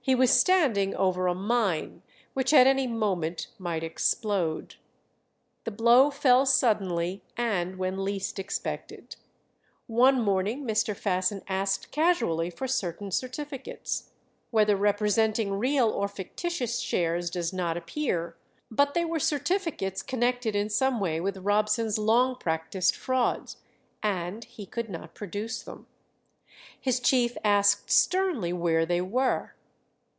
He was standing over a mine which at any moment might explode. The blow fell suddenly, and when least expected. One morning Mr. Fasson asked casually for certain certificates, whether representing real or fictitious shares does not appear; but they were certificates connected in some way with Robson's long practised frauds, and he could not produce them. His chief asked sternly where they were.